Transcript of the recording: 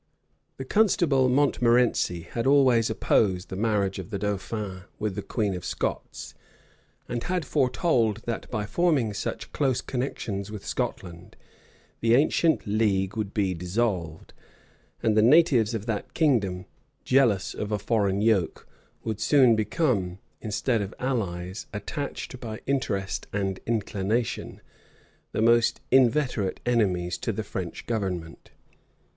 []* See note D, at the end of the volume. Spotswood, p. 134. Thuan. lib. xxiv. c. 10. The constable Montmorency had always opposed the marriage of the dauphin with the queen of Scots, and had foretold that, by forming such close connections with Scotland, the ancient league would be dissolved; and the natives of that kingdom, jealous of a foreign yoke, would soon become, instead of allies, attached by interest and inclination, the most inveterate enemies to the French government.